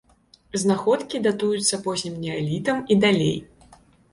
Знаходкі датуюцца познім неалітам і далей.